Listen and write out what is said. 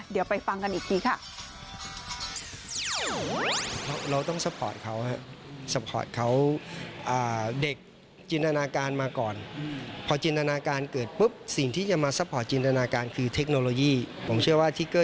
เดี๋ยวไปฟังกันอีกทีค่ะ